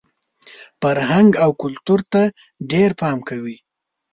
فرهنګ او کلتور ته ډېر پام کوئ!